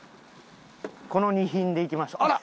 この２品でいきましょうあら！